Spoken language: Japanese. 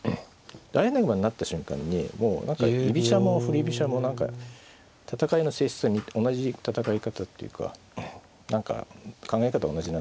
相穴熊になった瞬間にもう何か居飛車も振り飛車も何か戦いの性質が同じ戦い方っていうか何か考え方が同じなんで。